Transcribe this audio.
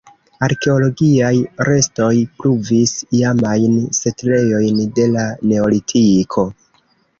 Arkeologiaj restoj pruvis iamajn setlejojn de la neolitiko.